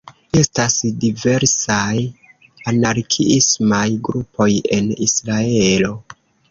Estas diversaj anarkiismaj grupoj en Israelo.